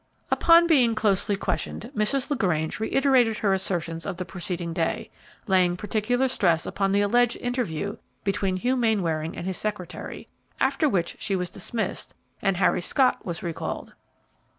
Upon being closely questioned, Mrs. LaGrange reiterated her assertions of the preceding day, laying particular stress upon the alleged interview between Hugh Mainwaring and his secretary, after which she was dismissed, and Harry Scott was recalled.